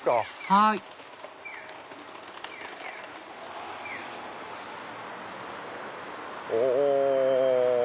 はいお！